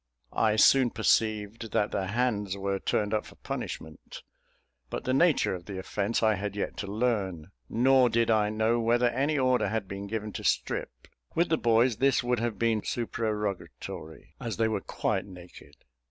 I soon perceived that the hands were turned up for punishment; but the nature of the offence I had yet to learn: nor did I know whether any order had been given to strip. With the boys this would have been supererogatory, as they were quite naked.